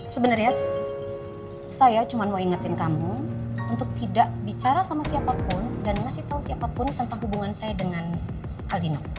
sebenarnya saya cuma mau ingetin kamu untuk tidak bicara sama siapapun dan ngasih tahu siapapun tentang hubungan saya dengan aldino